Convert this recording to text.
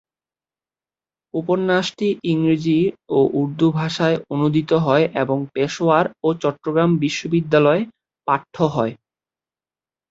উপন্যাসটি ইংরেজি ও উর্দু ভাষায় অনূদিত হয় এবং পেশোয়ার ও চট্টগ্রাম বিশ্ববিদ্যালয়ে পাঠ্য হয়।